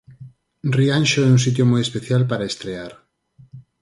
Rianxo é un sitio moi especial para estrear.